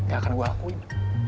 gak akan gue lakuin